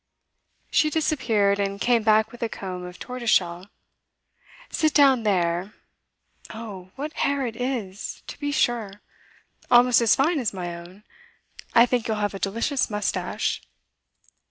She disappeared, and came back with a comb of tortoise shell. 'Sit down there. Oh, what hair it is, to be sure! Almost as fine as my own. I think you'll have a delicious moustache.